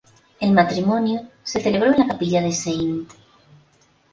El matrimonio se celebró en la capilla de St.